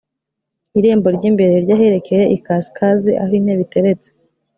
irembo ry imbere ry aherekeye ikasikazi aho intebe iteretse